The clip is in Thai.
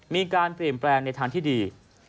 มีการเปลี่ยนแปลงในทางที่ดี